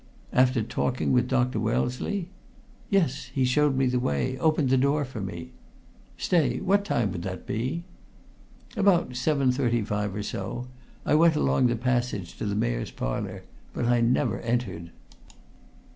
"After talking with Dr. Wellesley?" "Yes. He showed me the way opened the door for me " "Stay, what time would that be?" "About 7.35 or so. I went along the passage to the Mayor's Parlour, but I never entered."